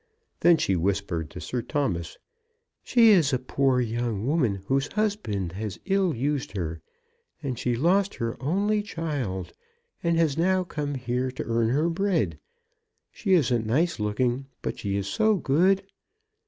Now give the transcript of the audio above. Then she whispered to Sir Thomas; "She is a poor young woman whose husband has ill used her, and she lost her only child, and has now come here to earn her bread. She isn't nice looking, but she is so good!"